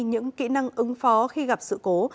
những kỹ năng ứng phó khi gặp sự cố